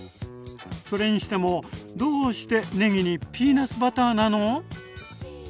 それにしてもどうしてねぎにピーナツバターなの？